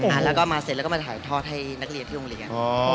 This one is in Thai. อ่านมาเสร็จแล้วก็มาถ่ำักของนักเรียนที่โรงเรียน